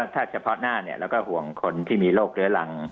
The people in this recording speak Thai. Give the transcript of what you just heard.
ถ้าเฉพาะหน้าเราก็ห่วงคนที่มีโรคเรื้อรัง